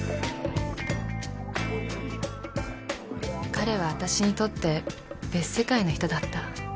彼は私にとって別世界の人だった。